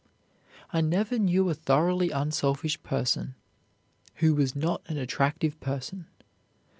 I never knew a thoroughly unselfish person who was not an attractive person.